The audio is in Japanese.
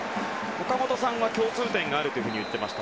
岡本さんは共通点があると言っていました。